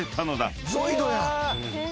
ゾイドやん！